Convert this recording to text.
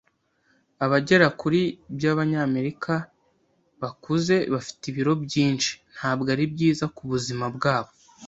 Abagera kuri byabanyamerika bakuze bafite ibiro byinshi, ntabwo ari byiza kubuzima bwabo